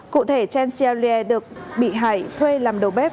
cụ thể chen xiaolie được bị hại thuê làm đầu bếp